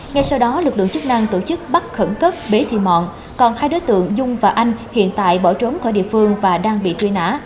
ngay sau đó lực lượng chức năng tổ chức bắt khẩn cấp bế thị mon còn hai đối tượng dung và anh hiện tại bỏ trốn khỏi địa phương và đang bị truy nã